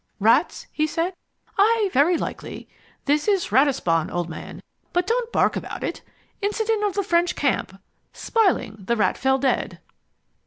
"Rats?" he said. "Aye, very likely! This is Ratisbon, old man, but don't bark about it. Incident of the French Camp: 'Smiling, the rat fell dead.'"